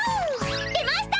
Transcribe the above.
出ました！